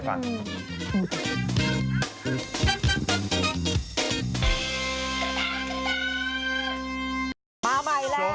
มาใหม่แล้ว